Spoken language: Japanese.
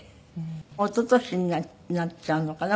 一昨年になっちゃうのかな？